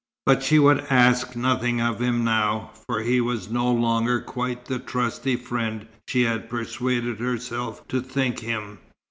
But she would ask nothing of him now, for he was no longer quite the trusty friend she had persuaded herself to think him.